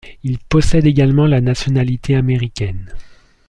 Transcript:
Il possède également la nationalité américaine.